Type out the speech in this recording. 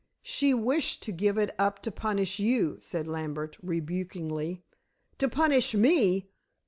"She wished to give it up to punish you," said Lambert rebukingly. "To punish me!"